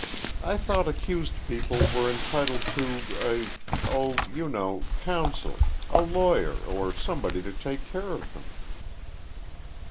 I thought accused people were entitled to a—oh, you know, counsel—a lawyer, or somebody to take care of them."